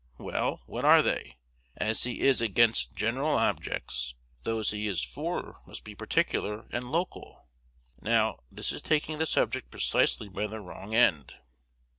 Well, what are they? As he is against general objects, those he is for must be particular and local. Now, this is taking the subject precisely by the wrong end.